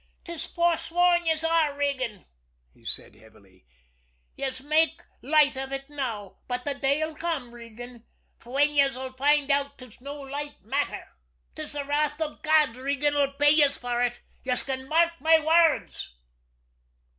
"'Tis forsworn yez are, Regan," he said heavily. "Yez may make light av ut now, but the day'll come, Regan, fwhen yez'll find out 'tis no light matter. 'Tis the wrath av God, Regan, 'll pay yez for ut, yez can mark my words."